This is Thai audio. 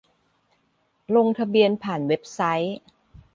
ลงทะเบียนผ่านเว็บไซต์